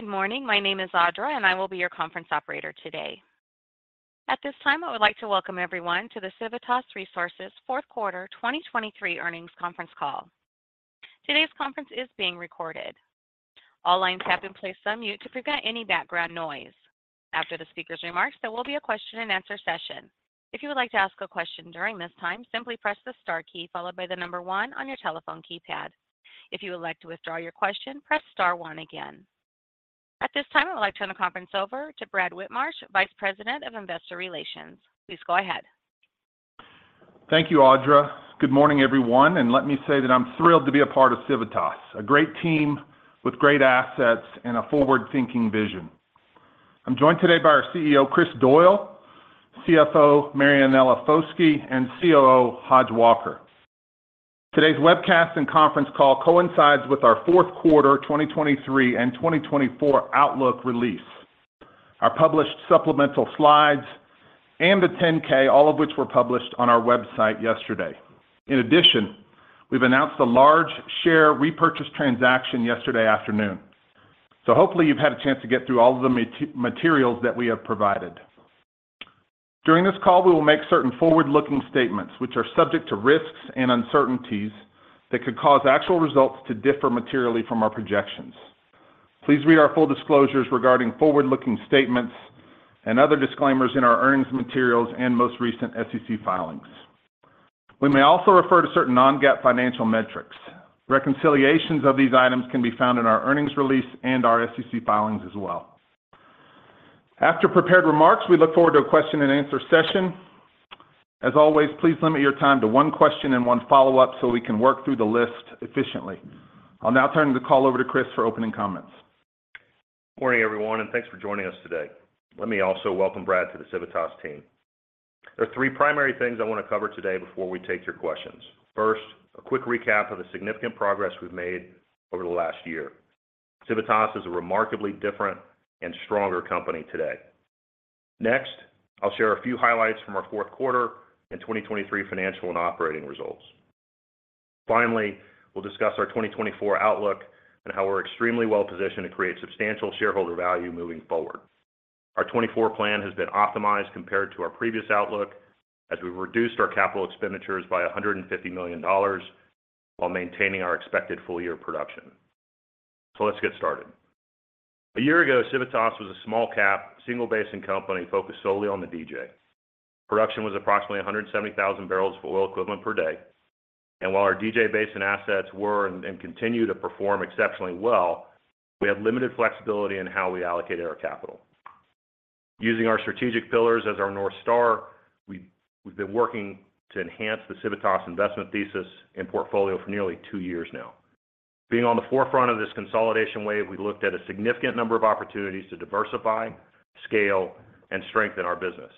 Good morning. My name is Audra, and I will be your conference operator today. At this time, I would like to welcome everyone to the Civitas Resources Fourth Quarter 2023 Earnings Conference Call. Today's conference is being recorded. All lines have been placed on mute to prevent any background noise. After the speaker's remarks, there will be a question-and-answer session. If you would like to ask a question during this time, simply press the star key followed by the number one on your telephone keypad. If you elect to withdraw your question, press star one again. At this time, I would like to turn the conference over to Brad Whitmarsh, Vice President of Investor Relations. Please go ahead. Thank you, Audra. Good morning, everyone. Let me say that I'm thrilled to be a part of Civitas, a great team with great assets and a forward-thinking vision. I'm joined today by our CEO, Chris Doyle, CFO, Marianella Foschi, and COO, Hodge Walker. Today's webcast and conference call coincides with our fourth quarter 2023 and 2024 outlook release, our published supplemental slides, and the 10-K, all of which were published on our website yesterday. In addition, we've announced a large share repurchase transaction yesterday afternoon, so hopefully you've had a chance to get through all of the materials that we have provided. During this call, we will make certain forward-looking statements, which are subject to risks and uncertainties that could cause actual results to differ materially from our projections. Please read our full disclosures regarding forward-looking statements and other disclaimers in our earnings materials and most recent SEC filings. We may also refer to certain non-GAAP financial metrics. Reconciliations of these items can be found in our earnings release and our SEC filings as well. After prepared remarks, we look forward to a question-and-answer session. As always, please limit your time to one question and one follow-up so we can work through the list efficiently. I'll now turn the call over to Chris for opening comments. Morning, everyone, and thanks for joining us today. Let me also welcome Brad to the Civitas team. There are three primary things I want to cover today before we take your questions. First, a quick recap of the significant progress we've made over the last year. Civitas is a remarkably different and stronger company today. Next, I'll share a few highlights from our fourth quarter and 2023 financial and operating results. Finally, we'll discuss our 2024 outlook and how we're extremely well-positioned to create substantial shareholder value moving forward. Our 2024 plan has been optimized compared to our previous outlook as we've reduced our capital expenditures by $150 million while maintaining our expected full-year production. So let's get started. A year ago, Civitas was a small-cap, single-basin company focused solely on the DJ. Production was approximately 170,000 bbl of oil equivalent per day. While our DJ Basin assets were and continue to perform exceptionally well, we had limited flexibility in how we allocated our capital. Using our strategic pillars as our North Star, we've been working to enhance the Civitas investment thesis and portfolio for nearly two years now. Being on the forefront of this consolidation wave, we've looked at a significant number of opportunities to diversify, scale, and strengthen our business.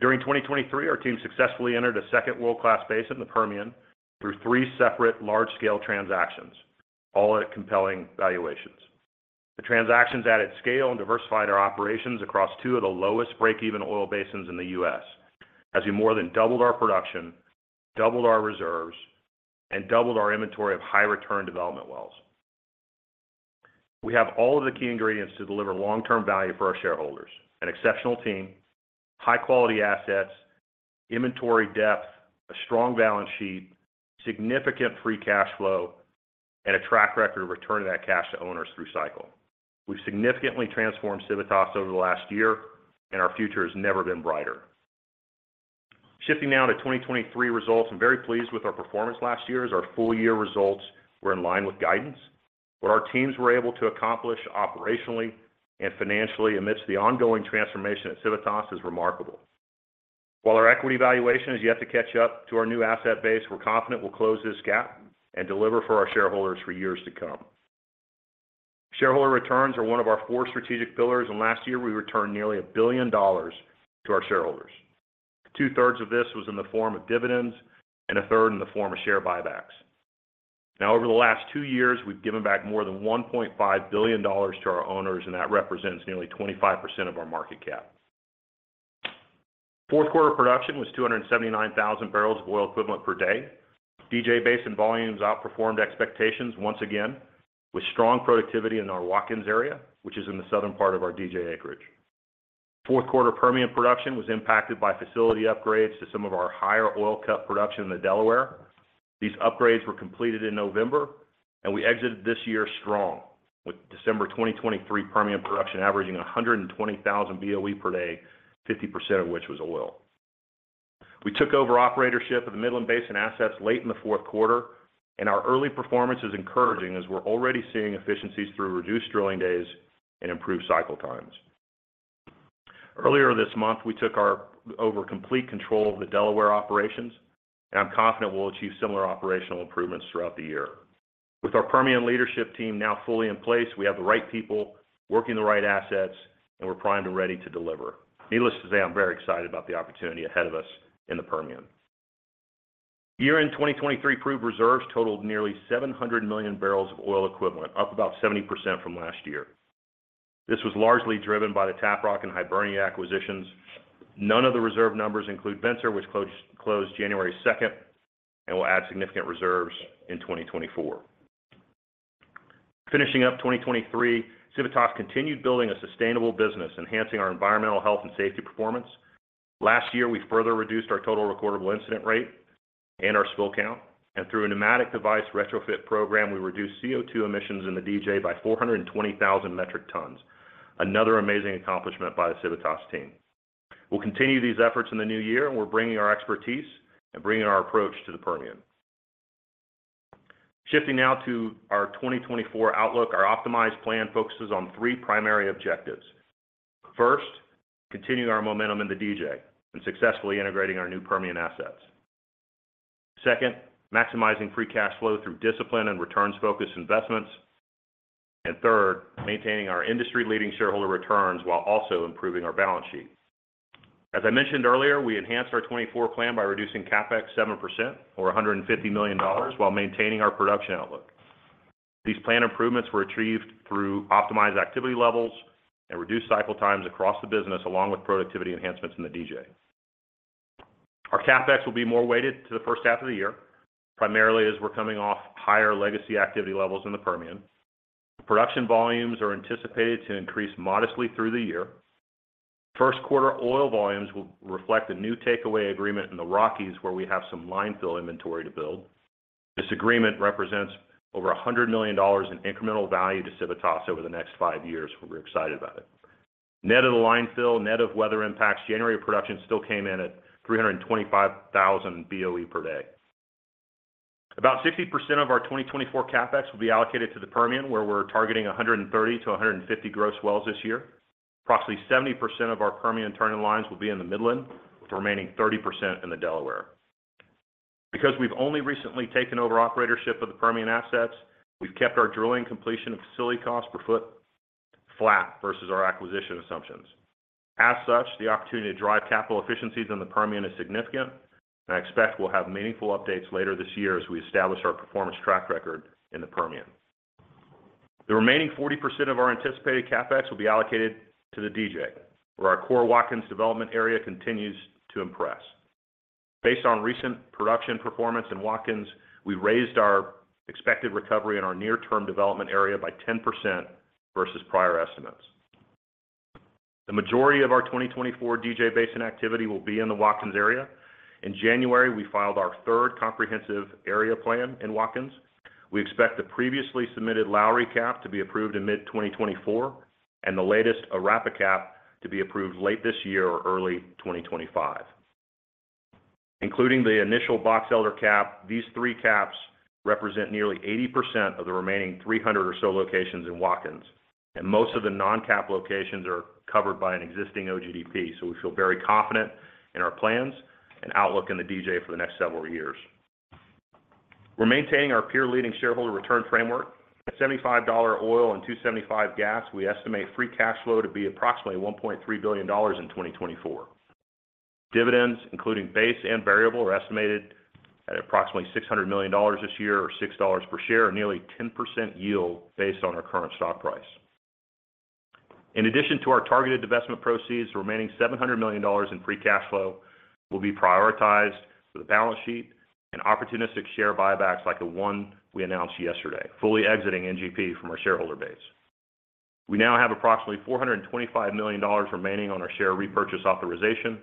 During 2023, our team successfully entered a second world-class basin, the Permian, through three separate large-scale transactions, all at compelling valuations. The transactions added scale and diversified our operations across two of the lowest breakeven oil basins in the U.S. as we more than doubled our production, doubled our reserves, and doubled our inventory of high-return development wells. We have all of the key ingredients to deliver long-term value for our shareholders: an exceptional team, high-quality assets, inventory depth, a strong balance sheet, significant free cash flow, and a track record of returning that cash to owners through cycle. We've significantly transformed Civitas over the last year, and our future has never been brighter. Shifting now to 2023 results, I'm very pleased with our performance last year as our full-year results were in line with guidance. What our teams were able to accomplish operationally and financially amidst the ongoing transformation at Civitas is remarkable. While our equity valuation is yet to catch up to our new asset base, we're confident we'll close this gap and deliver for our shareholders for years to come. Shareholder returns are one of our four strategic pillars, and last year we returned nearly $1 billion to our shareholders. Two-thirds of this was in the form of dividends and a third in the form of share buybacks. Now, over the last two years, we've given back more than $1.5 billion to our owners, and that represents nearly 25% of our market cap. Fourth quarter production was 279,000 bbl of oil equivalent per day. DJ Basin volumes outperformed expectations once again with strong productivity in our Watkins area, which is in the southern part of our DJ acreage. Fourth quarter Permian production was impacted by facility upgrades to some of our higher oil cut production in the Delaware. These upgrades were completed in November, and we exited this year strong with December 2023 Permian production averaging 120,000 BOE per day, 50% of which was oil. We took over operatorship of the Midland Basin assets late in the fourth quarter, and our early performance is encouraging as we're already seeing efficiencies through reduced drilling days and improved cycle times. Earlier this month, we took over complete control of the Delaware operations, and I'm confident we'll achieve similar operational improvements throughout the year. With our Permian leadership team now fully in place, we have the right people working the right assets, and we're primed and ready to deliver. Needless to say, I'm very excited about the opportunity ahead of us in the Permian. Year-end 2023 proved reserves totaled nearly 700 million bbl of oil equivalent, up about 70% from last year. This was largely driven by the Tap Rock and Hibernia acquisitions. None of the reserve numbers include Vencer, which closed January 2nd and will add significant reserves in 2024. Finishing up 2023, Civitas continued building a sustainable business, enhancing our environmental health and safety performance. Last year, we further reduced our total recordable incident rate and our spill count. Through a pneumatic device retrofit program, we reduced CO2 emissions in the DJ by 420,000 metric tons, another amazing accomplishment by the Civitas team. We'll continue these efforts in the new year, and we're bringing our expertise and bringing our approach to the Permian. Shifting now to our 2024 outlook, our optimized plan focuses on three primary objectives. First, continuing our momentum in the DJ and successfully integrating our new Permian assets. Second, maximizing free cash flow through discipline and returns-focused investments. And third, maintaining our industry-leading shareholder returns while also improving our balance sheet. As I mentioned earlier, we enhanced our 2024 plan by reducing CapEx 7% or $150 million while maintaining our production outlook. These plan improvements were achieved through optimized activity levels and reduced cycle times across the business, along with productivity enhancements in the DJ. Our CapEx will be more weighted to the first half of the year, primarily as we're coming off higher legacy activity levels in the Permian. Production volumes are anticipated to increase modestly through the year. First quarter oil volumes will reflect a new takeaway agreement in the Rockies, where we have some line fill inventory to build. This agreement represents over $100 million in incremental value to Civitas over the next five years, and we're excited about it. Net of the line fill, net of weather impacts, January production still came in at 325,000 BOE per day. About 60% of our 2024 CapEx will be allocated to the Permian, where we're targeting 130-150 gross wells this year. Approximately 70% of our Permian turn-in-lines will be in the Midland, with the remaining 30% in the Delaware. Because we've only recently taken over operatorship of the Permian assets, we've kept our drilling completion and facility costs per foot flat versus our acquisition assumptions. As such, the opportunity to drive capital efficiencies in the Permian is significant, and I expect we'll have meaningful updates later this year as we establish our performance track record in the Permian. The remaining 40% of our anticipated CapEx will be allocated to the DJ, where our core Watkins development area continues to impress. Based on recent production performance in Watkins, we've raised our expected recovery in our near-term development area by 10% versus prior estimates. The majority of our 2024 DJ Basin activity will be in the Watkins area. In January, we filed our third Comprehensive Area Plan in Watkins. We expect the previously submitted Lowry CAP to be approved in mid-2024 and the latest Arapahoe CAP to be approved late this year or early 2025. Including the initial Box Elder CAP, these three CAPs represent nearly 80% of the remaining 300 or so locations in Watkins, and most of the non-CAP locations are covered by an existing OGDP. So we feel very confident in our plans and outlook in the DJ for the next several years. We're maintaining our peer-leading shareholder return framework. At $75 oil and $275 gas, we estimate free cash flow to be approximately $1.3 billion in 2024. Dividends, including base and variable, are estimated at approximately $600 million this year or $6 per share or nearly 10% yield based on our current stock price. In addition to our targeted investment proceeds, the remaining $700 million in free cash flow will be prioritized for the balance sheet and opportunistic share buybacks like the one we announced yesterday, fully exiting NGP from our shareholder base. We now have approximately $425 million remaining on our share repurchase authorization.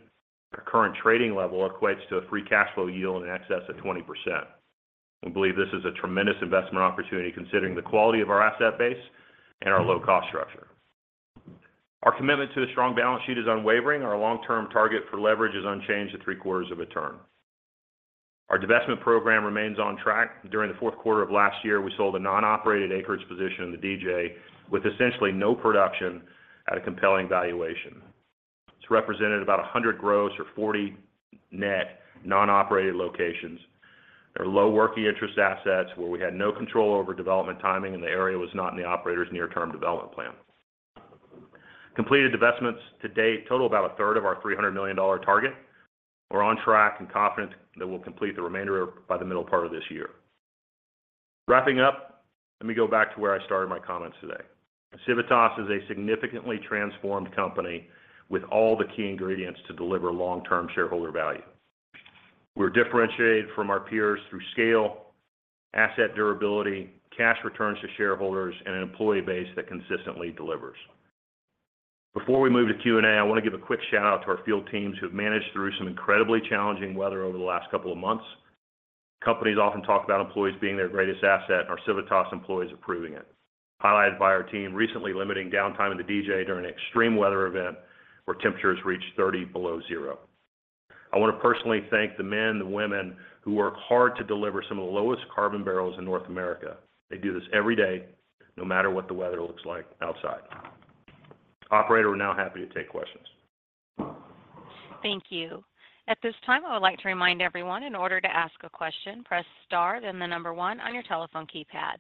Our current trading level equates to a free cash flow yield in excess of 20%. We believe this is a tremendous investment opportunity considering the quality of our asset base and our low-cost structure. Our commitment to a strong balance sheet is unwavering. Our long-term target for leverage is unchanged at three-quarters of a turn. Our divestment program remains on track. During the fourth quarter of last year, we sold a non-operated acreage position in the DJ with essentially no production at a compelling valuation. It's represented about 100 gross or 40 net non-operated locations. They're low working interest assets where we had no control over development timing, and the area was not in the operator's near-term development plan. Completed divestments to date total about a third of our $300 million target. We're on track and confident that we'll complete the remainder by the middle part of this year. Wrapping up, let me go back to where I started my comments today. Civitas is a significantly transformed company with all the key ingredients to deliver long-term shareholder value. We're differentiated from our peers through scale, asset durability, cash returns to shareholders, and an employee base that consistently delivers. Before we move to Q&A, I want to give a quick shout-out to our field teams who have managed through some incredibly challenging weather over the last couple of months. Companies often talk about employees being their greatest asset, and our Civitas employees are proving it, highlighted by our team recently limiting downtime in the DJ during an extreme weather event where temperatures reached 30 below zero. I want to personally thank the men and the women who work hard to deliver some of the lowest carbon barrels in North America. They do this every day, no matter what the weather looks like outside. Operator, we're now happy to take questions. Thank you. At this time, I would like to remind everyone, in order to ask a question, press star and the number one on your telephone keypad.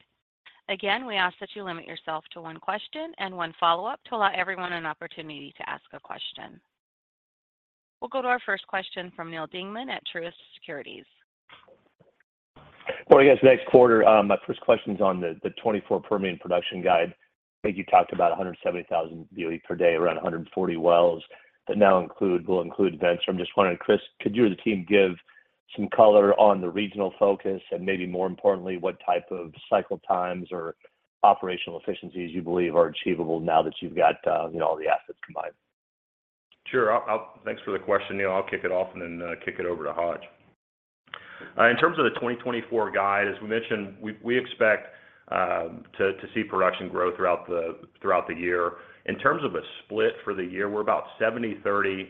Again, we ask that you limit yourself to one question and one follow-up to allow everyone an opportunity to ask a question. We'll go to our first question from Neal Dingmann at Truist Securities. Morning, guys. Next quarter, my first question is on the 2024 Permian production guide. I think you talked about 170,000 BOE per day, around 140 wells that now will include Vencer. I'm just wondering, Chris, could you or the team give some color on the regional focus and maybe more importantly, what type of cycle times or operational efficiencies you believe are achievable now that you've got all the assets combined? Sure. Thanks for the question, Neil. I'll kick it off and then kick it over to Hodge. In terms of the 2024 guide, as we mentioned, we expect to see production grow throughout the year. In terms of a split for the year, we're about 70/30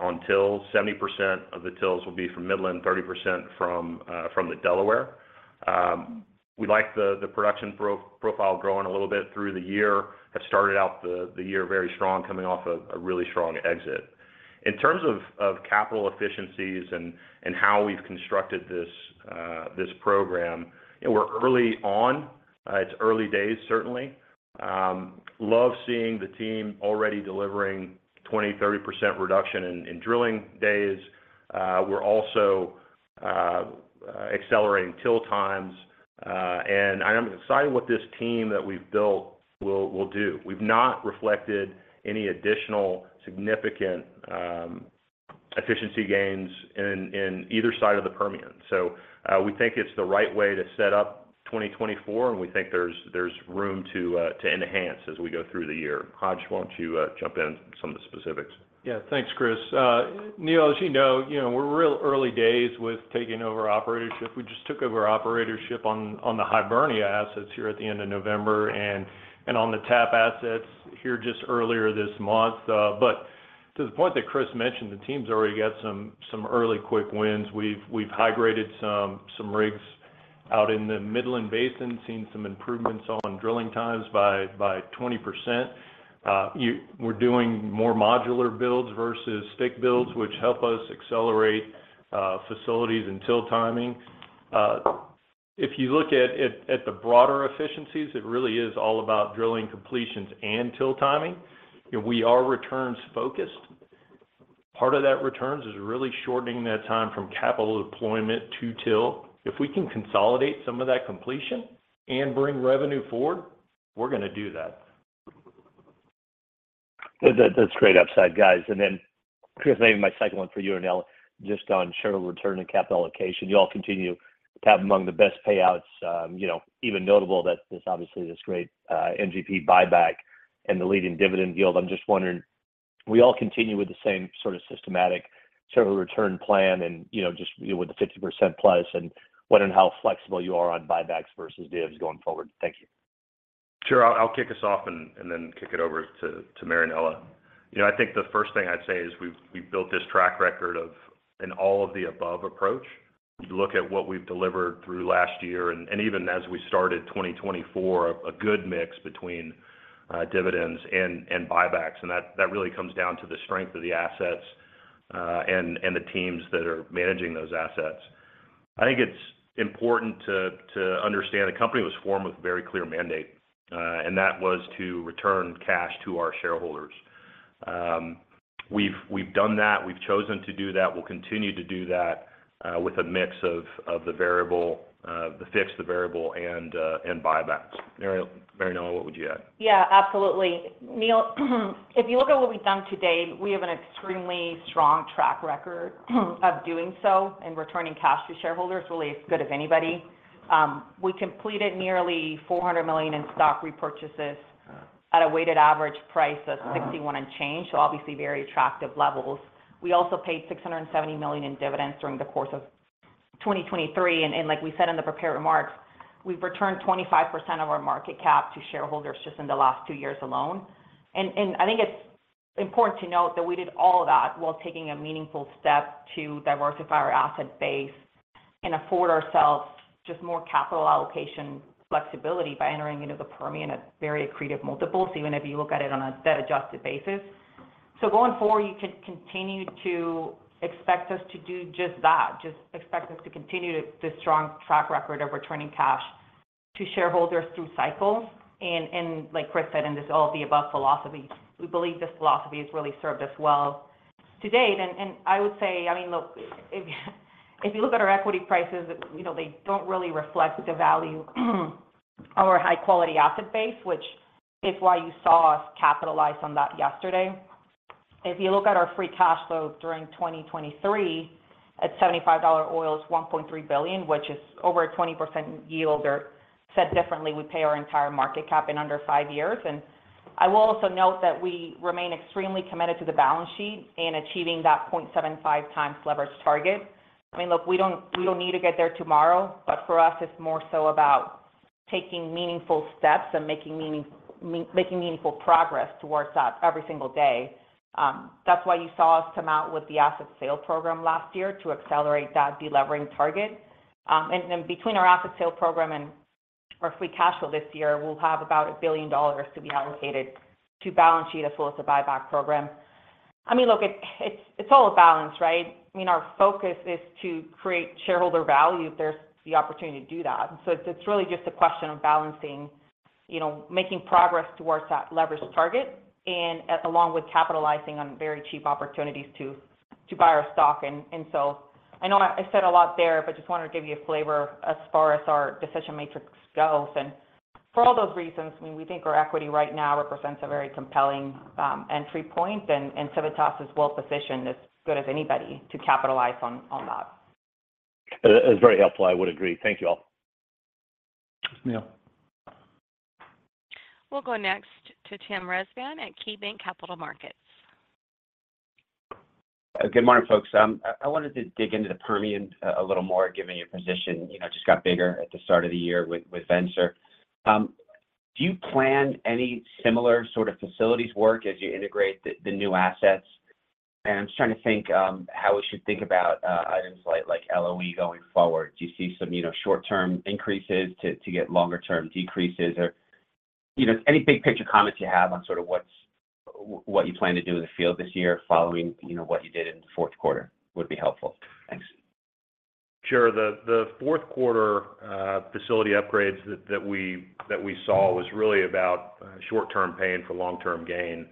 on TILs. 70% of the TILs will be from Midland, 30% from the Delaware. We'd like the production profile growing a little bit through the year. Have started out the year very strong, coming off a really strong exit. In terms of capital efficiencies and how we've constructed this program, we're early on. It's early days, certainly. Love seeing the team already delivering 20%-30% reduction in drilling days. We're also accelerating TIL times. And I'm excited what this team that we've built will do. We've not reflected any additional significant efficiency gains in either side of the Permian. So we think it's the right way to set up 2024, and we think there's room to enhance as we go through the year. Hodge, why don't you jump in some of the specifics? Yeah. Thanks, Chris. Neil, as you know, we're real early days with taking over operatorship. We just took over operatorship on the Hibernia assets here at the end of November and on the Tap Rock assets here just earlier this month. But to the point that Chris mentioned, the team's already got some early quick wins. We've idled some rigs out in the Midland Basin, seen some improvements on drilling times by 20%. We're doing more modular builds versus stick builds, which help us accelerate facilities and TIL timing. If you look at the broader efficiencies, it really is all about drilling completions and TIL timing. We are returns-focused. Part of that returns is really shortening that time from capital deployment to TIL. If we can consolidate some of that completion and bring revenue forward, we're going to do that. That's great upside, guys. Then, Chris, maybe my second one for you, Marianella, just on shareholder return and capital allocation. You all continue to have among the best payouts, even notable that there's obviously this great NGP buyback and the leading dividend yield. I'm just wondering, we all continue with the same sort of systematic shareholder return plan and just with the 50%+ and wondering how flexible you are on buybacks versus divs going forward. Thank you. Sure. I'll kick us off and then kick it over to Marianella. I think the first thing I'd say is we've built this track record of an all-of-the-above approach. You look at what we've delivered through last year and even as we started 2024, a good mix between dividends and buybacks. And that really comes down to the strength of the assets and the teams that are managing those assets. I think it's important to understand the company was formed with a very clear mandate, and that was to return cash to our shareholders. We've done that. We've chosen to do that. We'll continue to do that with a mix of the fixed, the variable, and buybacks. Marianella, what would you add? Yeah, absolutely. Neil, if you look at what we've done today, we have an extremely strong track record of doing so and returning cash to shareholders. Really, it's good if anybody. We completed nearly $400 million in stock repurchases at a weighted average price of $61 and change, so obviously very attractive levels. We also paid $670 million in dividends during the course of 2023. And like we said in the prepared remarks, we've returned 25% of our market cap to shareholders just in the last two years alone. And I think it's important to note that we did all of that while taking a meaningful step to diversify our asset base and afford ourselves just more capital allocation flexibility by entering into the Permian at very accretive multiples, even if you look at it on a debt-adjusted basis. So going forward, you can continue to expect us to do just that, just expect us to continue this strong track record of returning cash to shareholders through cycles. And like Chris said, in this all-of-the-above philosophy, we believe this philosophy has really served us well to date. And I would say, I mean, look, if you look at our equity prices, they don't really reflect the value of our high-quality asset base, which is why you saw us capitalize on that yesterday. If you look at our Free Cash Flow during 2023, at $75 oil is $1.3 billion, which is over a 20% yield. Or said differently, we pay our entire market cap in under five years. And I will also note that we remain extremely committed to the balance sheet and achieving that 0.75x leverage target. I mean, look, we don't need to get there tomorrow, but for us, it's more so about taking meaningful steps and making meaningful progress towards that every single day. That's why you saw us come out with the asset sale program last year to accelerate that delivering target. And between our asset sale program and our free cash flow this year, we'll have about $1 billion to be allocated to balance sheet as well as the buyback program. I mean, look, it's all a balance, right? I mean, our focus is to create shareholder value if there's the opportunity to do that. So it's really just a question of balancing, making progress towards that leverage target, and along with capitalizing on very cheap opportunities to buy our stock. So I know I said a lot there, but just wanted to give you a flavor as far as our decision matrix goes. For all those reasons, I mean, we think our equity right now represents a very compelling entry point, and Civitas is well positioned, as good as anybody, to capitalize on that. That's very helpful. I would agree. Thank you all. Neil. We'll go next to Tim Rezvan at KeyBanc Capital Markets. Good morning, folks. I wanted to dig into the Permian a little more, given your position just got bigger at the start of the year withVencer. Do you plan any similar sort of facilities work as you integrate the new assets? And I'm just trying to think how we should think about items like LOE going forward. Do you see some short-term increases to get longer-term decreases? Or any big-picture comments you have on sort of what you plan to do in the field this year following what you did in the fourth quarter would be helpful. Thanks. Sure. The fourth quarter facility upgrades that we saw was really about short-term pain for long-term gain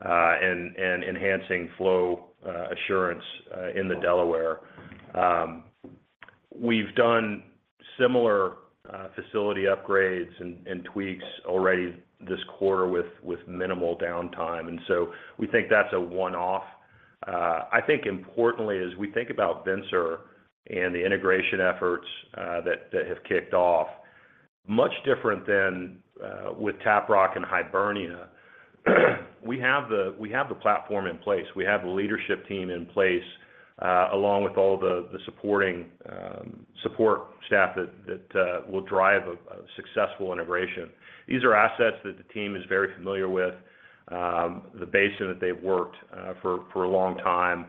and enhancing flow assurance in the Delaware. We've done similar facility upgrades and tweaks already this quarter with minimal downtime. And so we think that's a one-off. I think, importantly, as we think about Vencer and the integration efforts that have kicked off, much different than with Tap Rock and Hibernia, we have the platform in place. We have the leadership team in place along with all the support staff that will drive a successful integration. These are assets that the team is very familiar with, the basin that they've worked for a long time.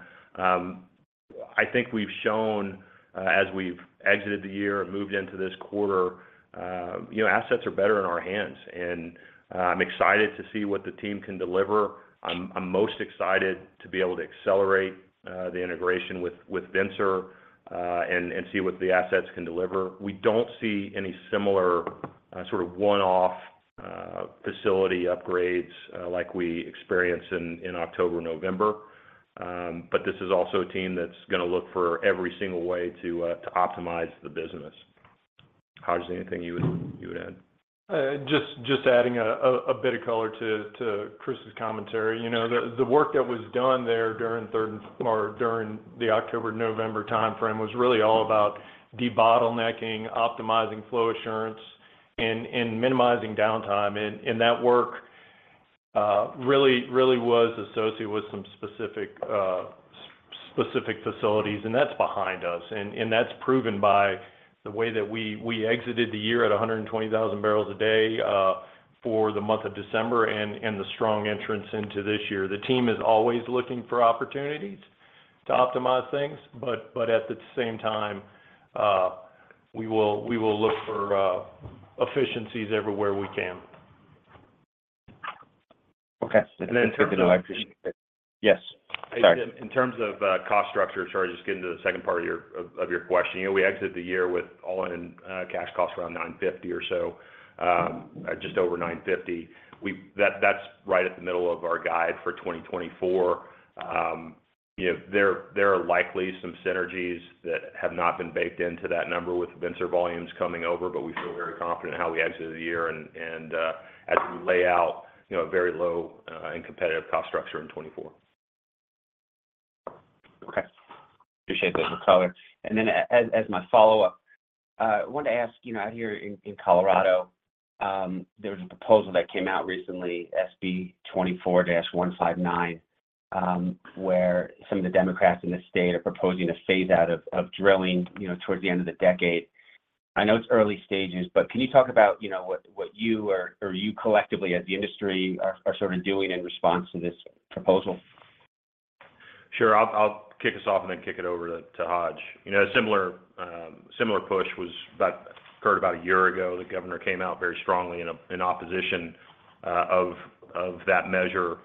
I think we've shown, as we've exited the year and moved into this quarter, assets are better in our hands. And I'm excited to see what the team can deliver. I'm most excited to be able to accelerate the integration with Vencer and see what the assets can deliver. We don't see any similar sort of one-off facility upgrades like we experienced in October or November. But this is also a team that's going to look for every single way to optimize the business. Hodge, is there anything you would add? Just adding a bit of color to Chris's commentary. The work that was done there during the October/November timeframe was really all about debottlenecking, optimizing flow assurance, and minimizing downtime. That work really was associated with some specific facilities, and that's behind us. That's proven by the way that we exited the year at 120,000 bbl a day for the month of December and the strong entrance into this year. The team is always looking for opportunities to optimize things, but at the same time, we will look for efficiencies everywhere we can. Okay. And then Chris, I appreciate that. Yes. Sorry. In terms of cost structure, sorry, just getting to the second part of your question, we exited the year with all-in cash costs around $950 or so, just over $950. That's right at the middle of our guide for 2024. There are likely some synergies that have not been baked into that number with Vencer volumes coming over, but we feel very confident in how we exited the year and as we lay out a very low and competitive cost structure in 2024. Okay. Appreciate the color. Then as my follow-up, I wanted to ask, out here in Colorado, there was a proposal that came out recently, SB24-159, where some of the Democrats in the state are proposing a phase-out of drilling towards the end of the decade. I know it's early stages, but can you talk about what you or you collectively as the industry are sort of doing in response to this proposal? Sure. I'll kick us off and then kick it over to Hodge. A similar push occurred about a year ago. The governor came out very strongly in opposition of that measure.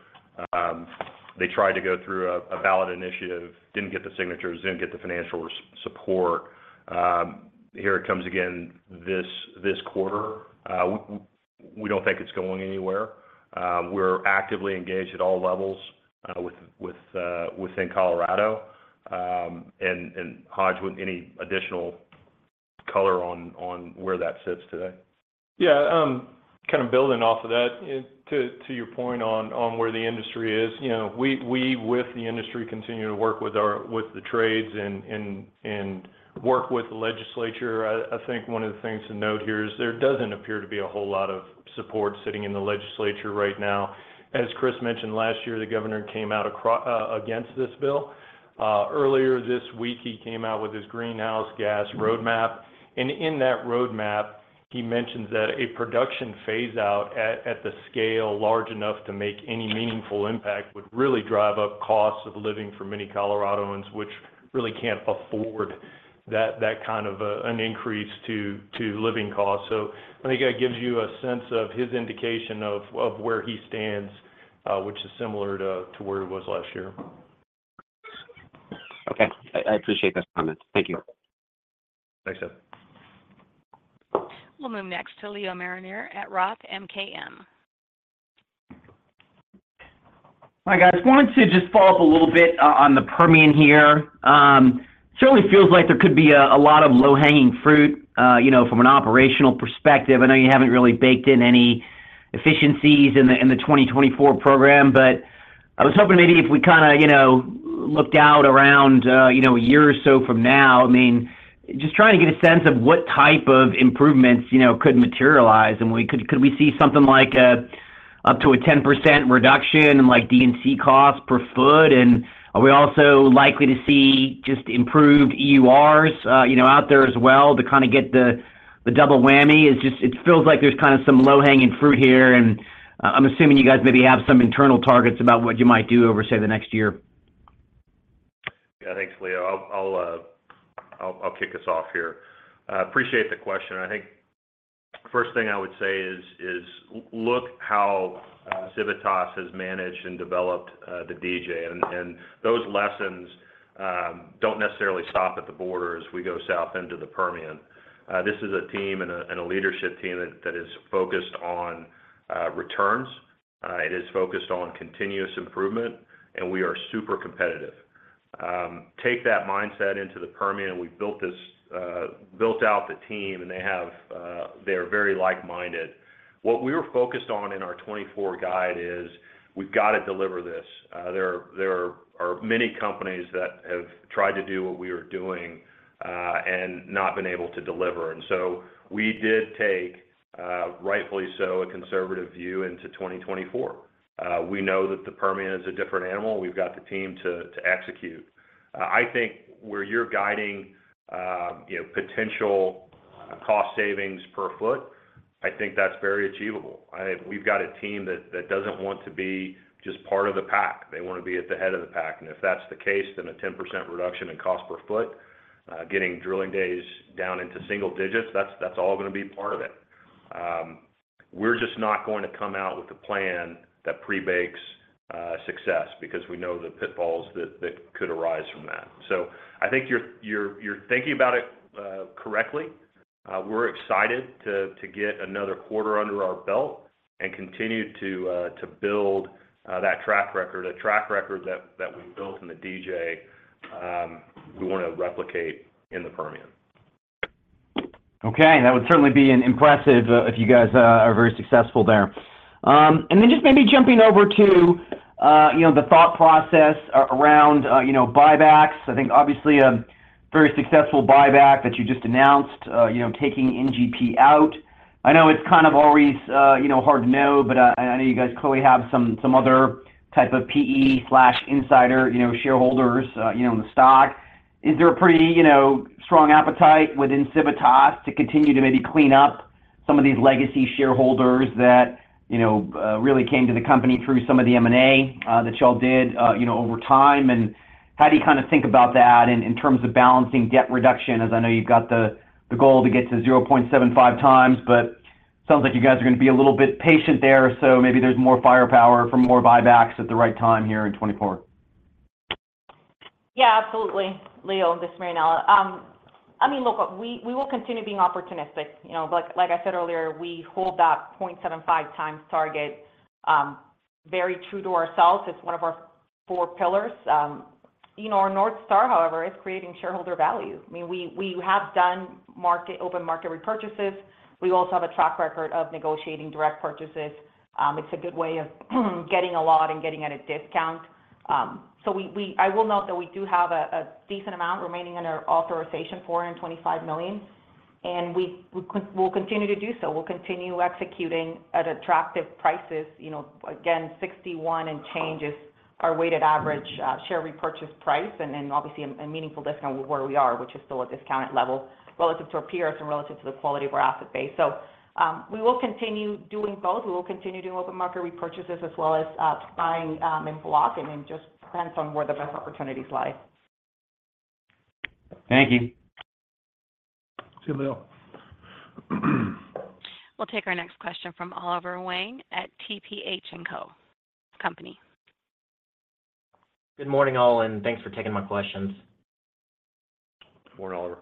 They tried to go through a ballot initiative, didn't get the signatures, didn't get the financial support. Here it comes again this quarter. We don't think it's going anywhere. We're actively engaged at all levels within Colorado. And Hodge, any additional color on where that sits today? Yeah. Kind of building off of that, to your point on where the industry is, we, with the industry, continue to work with the trades and work with the legislature. I think one of the things to note here is there doesn't appear to be a whole lot of support sitting in the legislature right now. As Chris mentioned, last year, the governor came out against this bill. Earlier this week, he came out with his greenhouse gas roadmap. And in that roadmap, he mentions that a production phase-out at the scale large enough to make any meaningful impact would really drive up costs of living for many Coloradoans, which really can't afford that kind of an increase to living costs. So I think that gives you a sense of his indication of where he stands, which is similar to where it was last year. Okay. I appreciate this comment. Thank you. Thanks, Tim. We'll move next to Leo Mariani at Roth MKM. Hi, guys. Wanted to just follow up a little bit on the Permian here. It certainly feels like there could be a lot of low-hanging fruit from an operational perspective. I know you haven't really baked in any efficiencies in the 2024 program, but I was hoping maybe if we kind of looked out around a year or so from now, I mean, just trying to get a sense of what type of improvements could materialize. Could we see something like up to a 10% reduction in D&C costs per foot? And are we also likely to see just improved EURs out there as well to kind of get the double whammy? It feels like there's kind of some low-hanging fruit here, and I'm assuming you guys maybe have some internal targets about what you might do over, say, the next year. Yeah. Thanks, Leo. I'll kick us off here. Appreciate the question. I think first thing I would say is look how Civitas has managed and developed the DJ. And those lessons don't necessarily stop at the border as we go south into the Permian. This is a team and a leadership team that is focused on returns. It is focused on continuous improvement, and we are super competitive. Take that mindset into the Permian. We built out the team, and they are very like-minded. What we were focused on in our 2024 guide is we've got to deliver this. There are many companies that have tried to do what we were doing and not been able to deliver. And so we did take, rightfully so, a conservative view into 2024. We know that the Permian is a different animal. We've got the team to execute. I think where you're guiding potential cost savings per foot, I think that's very achievable. We've got a team that doesn't want to be just part of the pack. They want to be at the head of the pack. If that's the case, then a 10% reduction in cost per foot, getting drilling days down into single digits, that's all going to be part of it. We're just not going to come out with a plan that pre-bakes success because we know the pitfalls that could arise from that. I think you're thinking about it correctly. We're excited to get another quarter under our belt and continue to build that track record. The track record that we've built in the DJ, we want to replicate in the Permian. Okay. That would certainly be impressive if you guys are very successful there. And then just maybe jumping over to the thought process around buybacks. I think, obviously, a very successful buyback that you just announced, taking NGP out. I know it's kind of always hard to know, but I know you guys, Chris, have some other type of PE/insider shareholders in the stock. Is there a pretty strong appetite within Civitas to continue to maybe clean up some of these legacy shareholders that really came to the company through some of the M&A that y'all did over time? And how do you kind of think about that in terms of balancing debt reduction? As I know, you've got the goal to get to 0.75x, but it sounds like you guys are going to be a little bit patient there. Maybe there's more firepower for more buybacks at the right time here in 2024. Yeah. Absolutely, Leo, this is Marianella. I mean, look, we will continue being opportunistic. Like I said earlier, we hold that 0.75x target very true to ourselves. It's one of our four pillars. Our North Star, however, is creating shareholder value. I mean, we have done open market repurchases. We also have a track record of negotiating direct purchases. It's a good way of getting a lot and getting at a discount. So I will note that we do have a decent amount remaining under authorization for $25 million, and we'll continue to do so. We'll continue executing at attractive prices. Again, $61 and change is our weighted average share repurchase price, and obviously, a meaningful discount where we are, which is still a discounted level relative to our peers and relative to the quality of our asset base. So we will continue doing both. We will continue doing open market repurchases as well as buying in block, and then just depends on where the best opportunities lie. Thank you. Thank you, Leo. We'll take our next question from Oliver Huang at TPH & Co. Good morning, all, and thanks for taking my questions. Good morning, Oliver.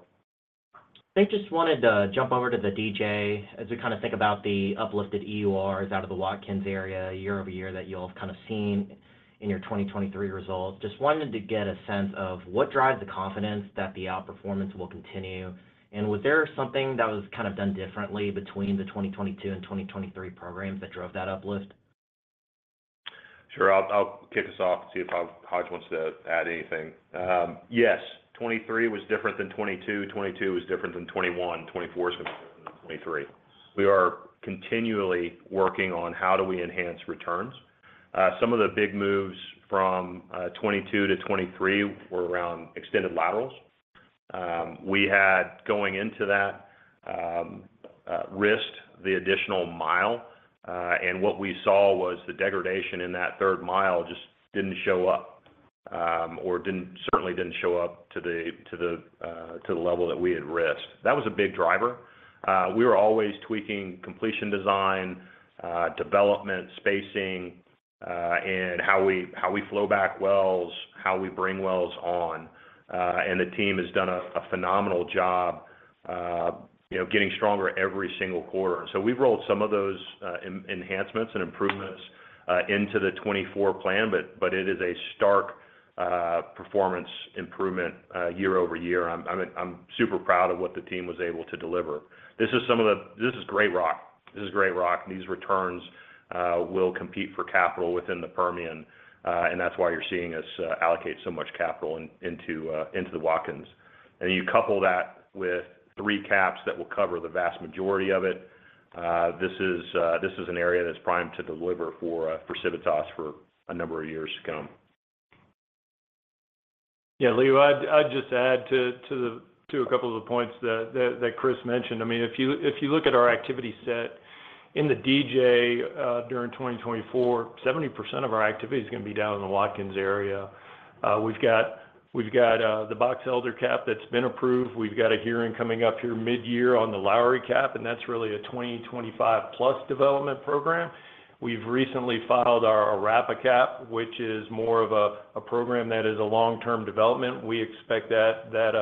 I just wanted to jump over to the DJ as we kind of think about the uplifted EURs out of the Watkins area year-over-year that you'll have kind of seen in your 2023 results. Just wanted to get a sense of what drives the confidence that the outperformance will continue? And was there something that was kind of done differently between the 2022 and 2023 programs that drove that uplift? Sure. I'll kick us off and see if Hodge wants to add anything. Yes. 2023 was different than 2022. 2022 was different than 2021. 2024 is going to be different than 2023. We are continually working on how do we enhance returns. Some of the big moves from 2022 to 2023 were around extended laterals. We had, going into that, risked the additional mile, and what we saw was the degradation in that third mile just didn't show up or certainly didn't show up to the level that we had risked. That was a big driver. We were always tweaking completion design, development, spacing, and how we flow back wells, how we bring wells on. The team has done a phenomenal job getting stronger every single quarter. And so we've rolled some of those enhancements and improvements into the 2024 plan, but it is a stark performance improvement year-over-year. I'm super proud of what the team was able to deliver. This is some of the this is great rock. This is great rock. These returns will compete for capital within the Permian, and that's why you're seeing us allocate so much capital into the Watkins. And you couple that with three caps that will cover the vast majority of it. This is an area that's primed to deliver for Civitas for a number of years to come. Yeah. Oliver, I'd just add to a couple of the points that Chris mentioned. I mean, if you look at our activity set in the DJ during 2024, 70% of our activity is going to be down in the Watkins area. We've got the Box Elder CAP that's been approved. We've got a hearing coming up here midyear on the Lowry CAP, and that's really a 2025+ development program. We've recently filed our Arapahoe CAP, which is more of a program that is a long-term development. We expect that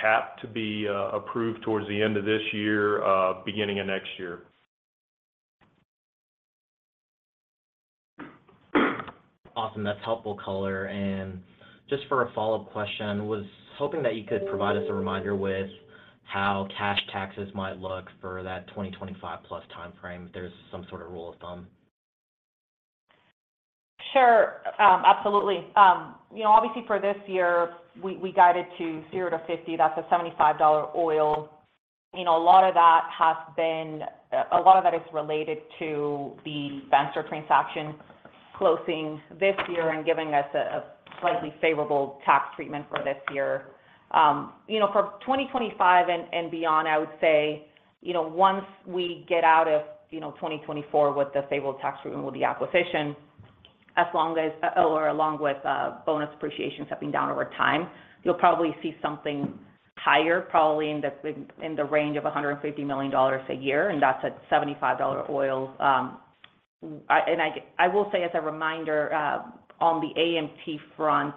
CAP to be approved towards the end of this year, beginning of next year. Awesome. That's helpful color. And just for a follow-up question, was hoping that you could provide us a reminder with how cash taxes might look for that 2025+ time frame, if there's some sort of rule of thumb? Sure. Absolutely. Obviously, for this year, we guided to 0-50. That's $75 oil. A lot of that has been a lot of that is related to the Vencer transaction closing this year and giving us a slightly favorable tax treatment for this year. For 2025 and beyond, I would say once we get out of 2024 with the favorable tax treatment with the acquisition or along with bonus depreciation stepping down over time, you'll probably see something higher, probably in the range of $150 million a year, and that's at $75 oil. And I will say, as a reminder, on the AMT front,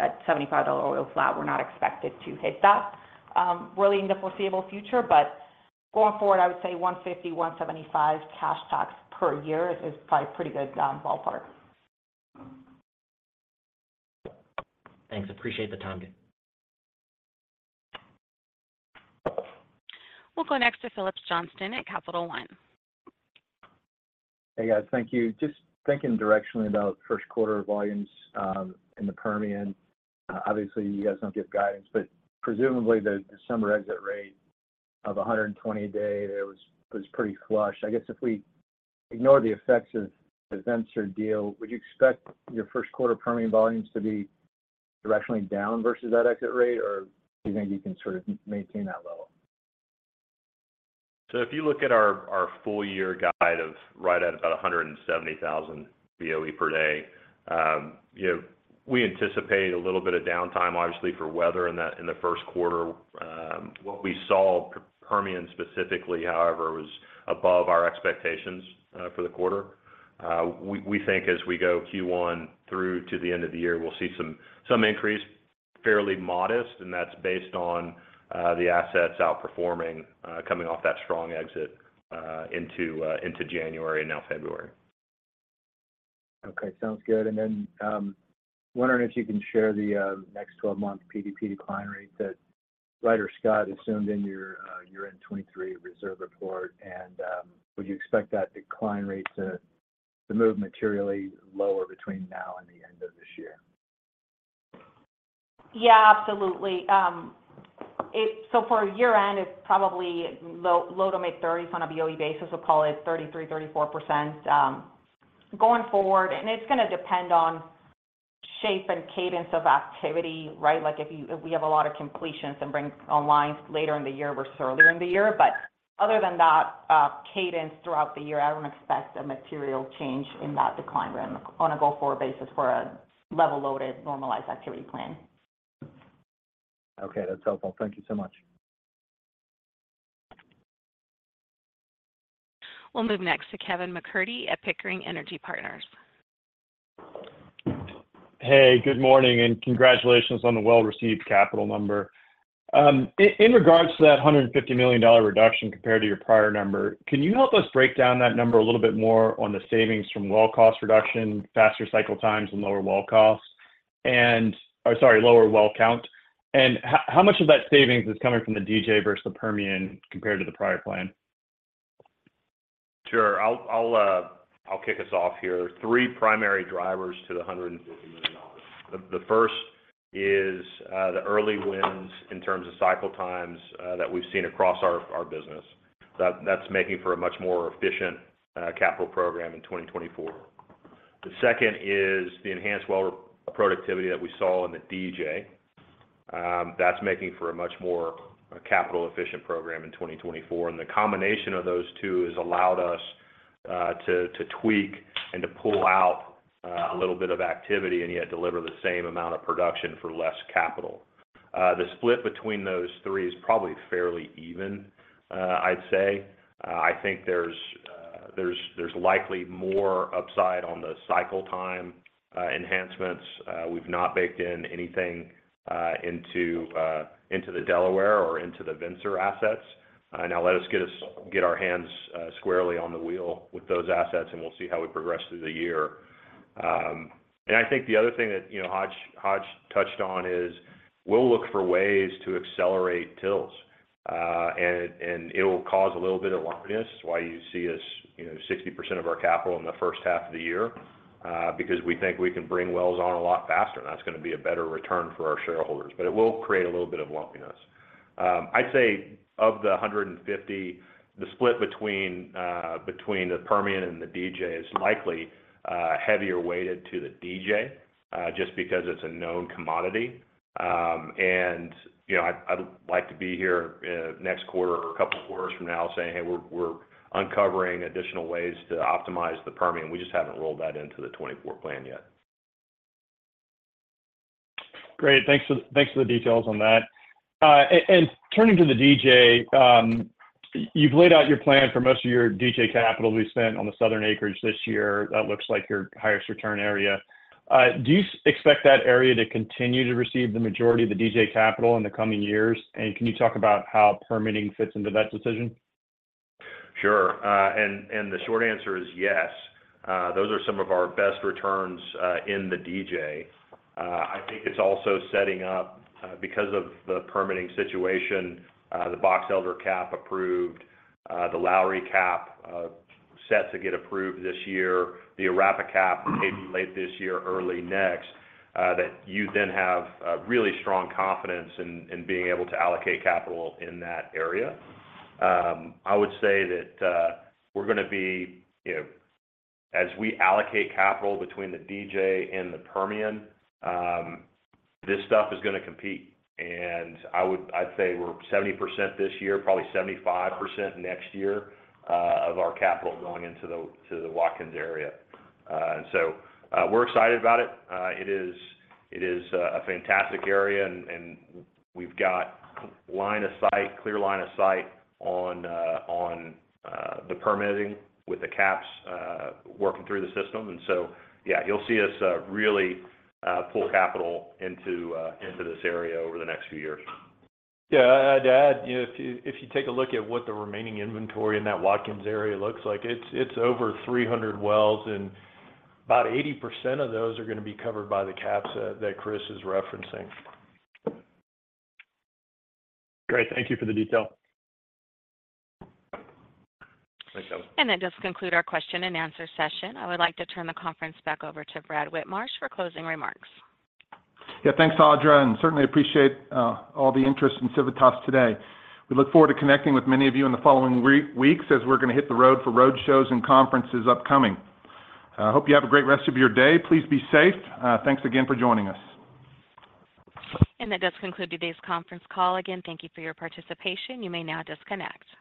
at $75 oil flat, we're not expected to hit that really in the foreseeable future. But going forward, I would say $150-$175 million cash tax per year is probably a pretty good ballpark. Thanks. Appreciate the time. We'll go next to Phillips Johnston at Capital One. Hey, guys. Thank you. Just thinking directionally about first-quarter volumes in the Permian, obviously, you guys don't give guidance, but presumably, the December exit rate of 120 a day, it was pretty flush. I guess if we ignore the effects of the Vencer deal, would you expect your first-quarter Permian volumes to be directionally down versus that exit rate, or do you think you can sort of maintain that level? So if you look at our full-year guide of right at about 170,000 BOE per day, we anticipate a little bit of downtime, obviously, for weather in the first quarter. What we saw Permian specifically, however, was above our expectations for the quarter. We think as we go Q1 through to the end of the year, we'll see some increase, fairly modest, and that's based on the assets outperforming coming off that strong exit into January and now February. Okay. Sounds good. And then wondering if you can share the next 12-month PDP decline rate that Ryder Scott assumed in your end 2023 reserve report. And would you expect that decline rate to move materially lower between now and the end of this year? Yeah. Absolutely. So for year-end, it's probably low to mid-30s on a BOE basis. We'll call it 33%-34% going forward. And it's going to depend on shape and cadence of activity, right? If we have a lot of completions and bring on lines later in the year versus earlier in the year. But other than that cadence throughout the year, I don't expect a material change in that decline rate on a go-forward basis for a level-loaded, normalized activity plan. Okay. That's helpful. Thank you so much. We'll move next to Kevin MacCurdy at Pickering Energy Partners. Hey. Good morning and congratulations on the well-received capital number. In regards to that $150 million reduction compared to your prior number, can you help us break down that number a little bit more on the savings from well cost reduction, faster cycle times, and lower well costs or sorry, lower well count? And how much of that savings is coming from the DJ versus the Permian compared to the prior plan? Sure. I'll kick us off here. Three primary drivers to the $150 million. The first is the early wins in terms of cycle times that we've seen across our business. That's making for a much more efficient capital program in 2024. The second is the enhanced well productivity that we saw in the DJ. That's making for a much more capital-efficient program in 2024. And the combination of those two has allowed us to tweak and to pull out a little bit of activity and yet deliver the same amount of production for less capital. The split between those three is probably fairly even, I'd say. I think there's likely more upside on the cycle time enhancements. We've not baked in anything into the Delaware or into the Vencer assets. Now, let us get our hands squarely on the wheel with those assets, and we'll see how we progress through the year. And I think the other thing that Hodge touched on is we'll look for ways to accelerate TILs, and it'll cause a little bit of lumpiness. That's why you see us 60% of our capital in the first half of the year because we think we can bring wells on a lot faster, and that's going to be a better return for our shareholders. But it will create a little bit of lumpiness. I'd say of the 150, the split between the Permian and the DJ is likely heavier weighted to the DJ just because it's a known commodity. I'd like to be here next quarter or a couple of quarters from now saying, "Hey, we're uncovering additional ways to optimize the Permian." We just haven't rolled that into the 2024 plan yet. Great. Thanks for the details on that. And turning to the DJ, you've laid out your plan for most of your DJ capital to be spent on the southern acreage this year. That looks like your highest return area. Do you expect that area to continue to receive the majority of the DJ capital in the coming years? And can you talk about how permitting fits into that decision? Sure. And the short answer is yes. Those are some of our best returns in the DJ. I think it's also setting up because of the permitting situation, the Box Elder CAP approved, the Lowry CAP set to get approved this year, the Arapahoe CAP maybe late this year, early next, that you then have really strong confidence in being able to allocate capital in that area. I would say that we're going to be as we allocate capital between the DJ and the Permian, this stuff is going to compete. And I'd say we're 70% this year, probably 75% next year of our capital going into the Watkins area. And so we're excited about it. It is a fantastic area, and we've got line of sight, clear line of sight on the permitting with the CAPs working through the system. Yeah, you'll see us really pull capital into this area over the next few years. Yeah. I'd add if you take a look at what the remaining inventory in that Watkins area looks like, it's over 300 wells, and about 80% of those are going to be covered by the caps that Chris is referencing. Great. Thank you for the detail. Thanks, Kevin. That does conclude our question-and-answer session. I would like to turn the conference back over to Brad Whitmarsh for closing remarks. Yeah. Thanks, Audra, and certainly appreciate all the interest in Civitas today. We look forward to connecting with many of you in the following weeks as we're going to hit the road for road shows and conferences upcoming. I hope you have a great rest of your day. Please be safe. Thanks again for joining us. That does conclude today's conference call. Again, thank you for your participation. You may now disconnect.